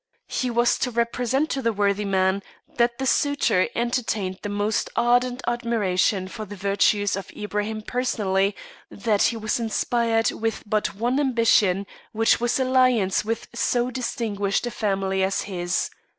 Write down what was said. He was to represent to the worthy man that the suitor entertained the most ardent admiration for the virtues of Ibraim personally, that he was inspired with but one ambition, which was alliance with so distinguished a family as his.